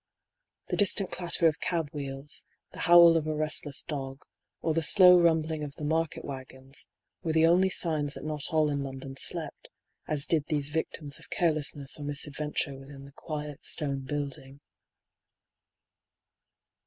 The distant clatter of cab wheels, the howl of a restless dog, or the slow rumbling of the market waggons, were the only signs that not all in London slept, as did these victims of carelessness or misadventure within the quiet stone building.